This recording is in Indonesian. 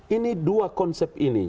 ini dua konsep ini